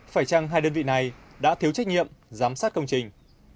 phải chăng hai đơn vị này đã thiếu trách nhiệm giám sát công trình